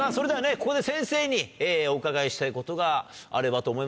ここで先生にお伺いしたいことがあればと思いますが。